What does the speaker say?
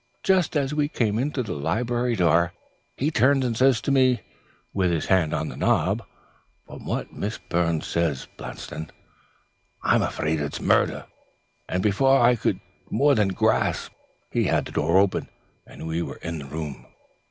Just as we came to the library door, he turns and says to me, with his hand on the knob, 'From what Miss Byrne says, Blanston, I'm afraid it's murder.' And before I could more than gasp he had the door open, and we were in the room.